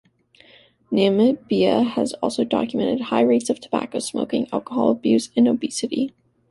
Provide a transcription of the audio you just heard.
Namibia has also documented high rates of tobacco smoking, alcohol abuse and obesity.